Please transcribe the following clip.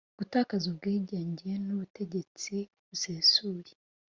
gutakaza ubwigenge n'ubutegetsi busesuye